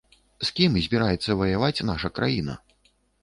З кім збіраецца ваяваць наша краіна?